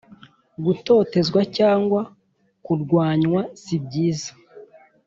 gutotezwa cyangwa kurwanywa sibyiza